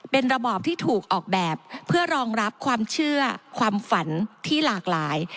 เป็นระบอบที่ถูกออกแบบเพื่อรองรับความเชื่อความฝันที่หลากหลาย